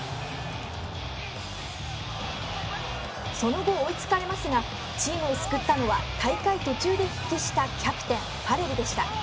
その後、追いつかれますがチームを救ったのは大会途中で復帰したキャプテン、ファレルでした。